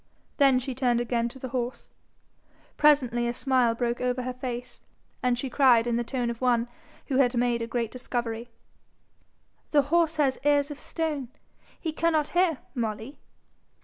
Then she turned again to the horse. Presently a smile broke over her face, and she cried in the tone of one who had made a great discovery, 'Horse has ears of stone: he cannot hear, Molly.'